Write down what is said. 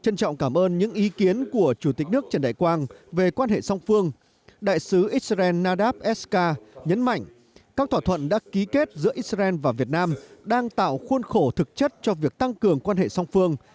trân trọng cảm ơn những ý kiến của chủ tịch nước trần đại quang về quan hệ song phương đại sứ israel nadav eskar nhấn mạnh các thỏa thuận đã ký kết giữa israel và việt nam đang tạo khuôn khổ thực chất cho việc tăng cường quan hệ song phương